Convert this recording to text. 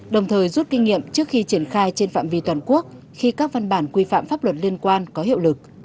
đồng thời rút kinh nghiệm trước khi triển khai trên phạm vi toàn quốc khi các văn bản quy phạm pháp luật liên quan có hiệu lực